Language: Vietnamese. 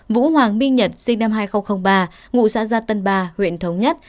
vũ hoàng minh nhật sinh năm hai nghìn ba ngụ xã gia tân ba huyện thống nhất